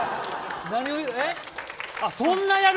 何を？